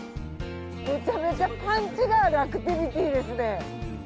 めちゃめちゃパンチがあるアクティビティですね。